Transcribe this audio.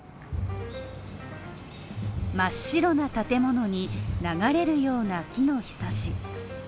真っ白な建物に流れるような木のひさし。